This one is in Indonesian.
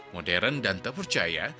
modern dan terpercaya